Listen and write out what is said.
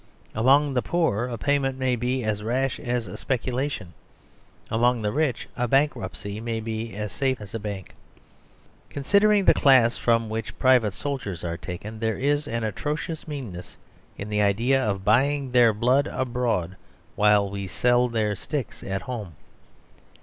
Among the poor a payment may be as rash as a speculation. Among the rich a bankruptcy may be as safe as a bank. Considering the class from which private soldiers are taken, there is an atrocious meanness in the idea of buying their blood abroad, while we sell their sticks at home.